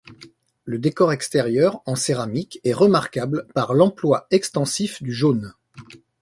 Le décor extérieur, en céramique, est remarquable par l’emploi extensif du jaune.